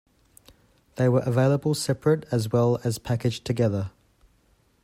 They were available separate as well as packaged together.